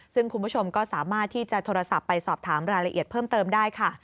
ซึ่งคุณผู้ชมก็สามารถที่จะโทรศัพท์ไปสอบถามรายละเอียดเพิ่มเติมได้ค่ะ